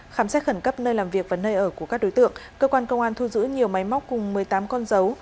khám xét khẩn cấp nơi làm việc và nơi ở của các đối tượng cơ quan công an thu giữ nhiều máy móc cùng một mươi tám con dấu